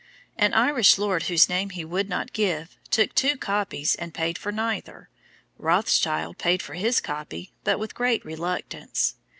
"An Irish lord whose name he would not give, took two copies and paid for neither. Rothschild paid for his copy, but with great reluctance.